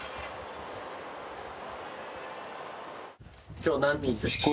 今日何人でした？